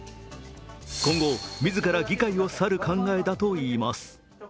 今後、自ら議会を去る考えだと言います。